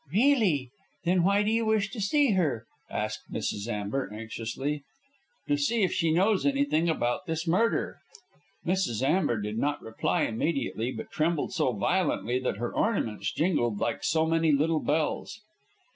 "Really! Then why do you wish to see her?" asked Mrs. Amber, anxiously. "To see if she knows anything about this murder." Mrs. Amber did not reply immediately, but trembled so violently that her ornaments jingled like so many little bells.